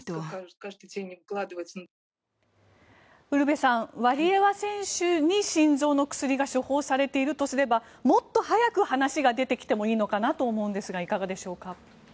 ウルヴェさんワリエワ選手に心臓の薬が処方されているとすればもっと早く話が出てきてもいいのかなと思うんですがいかがでしょうか？